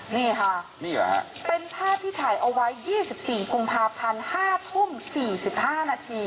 นี่ค่ะนี่เหรอฮะเป็นภาพที่ถ่ายเอาไว้ยี่สิบสี่คุณภาพพันห้าทุ่มสี่สิบห้านาที